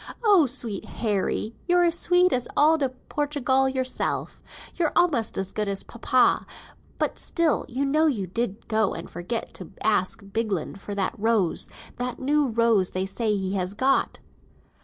Oh, sweet Harry; you're as sweet as eau de Portugal yourself; you're almost as good as papa; but still you know you did go and forget to ask Bigland for that rose, that new rose they say he has got."